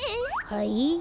はい？